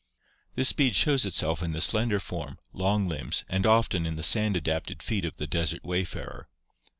This speed shows itself in the slender form, long limbs, and often in the sand adapted feet of the desert wayfarer.